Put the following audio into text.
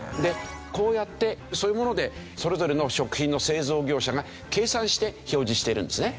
こうやってそういうものでそれぞれの食品の製造業者が計算して表示しているんですね。